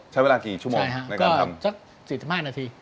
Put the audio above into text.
ใช้เวลากี่ชั่วโมงในการทำสัก๔๕นาที